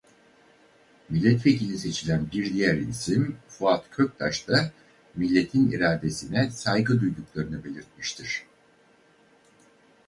Milletvekili seçilen bir diğer isim Fuat Köktaş da milletin iradesine saygı duyduklarını belirtmiştir.